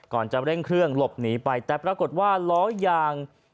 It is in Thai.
จะเร่งเครื่องหลบหนีไปแต่ปรากฏว่าล้อยาง